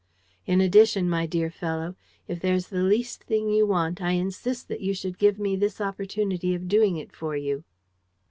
"In addition, my dear fellow, if there's the least thing you want, I insist that you should give me this opportunity of doing it for you."